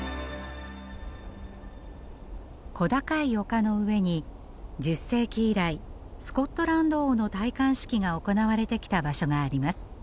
小高い丘の上に１０世紀以来スコットランド王の戴冠式が行われてきた場所があります。